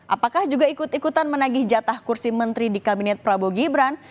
apakah juga ikut ikutan menagih jatah kursi menteri di kabinet prabowo gibran